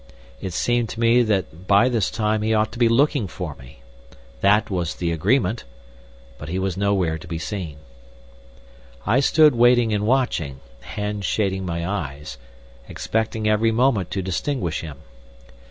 It seemed to me that by this time he ought to be looking for me. That was the agreement. But he was nowhere to be seen. I stood waiting and watching, hands shading my eyes, expecting every moment to distinguish him.